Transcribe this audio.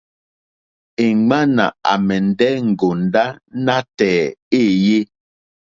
Èŋwánà àmɛ̀ndɛ́ ŋgòndá nátɛ̀ɛ̀ éèyé.